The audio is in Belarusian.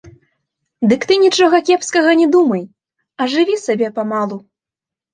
Дык ты нічога кепскага не думай, а жыві сабе памалу.